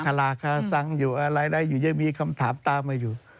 คาราคาซังอยู่อะไรได้อยู่ยังมีคำถามตามมาอยู่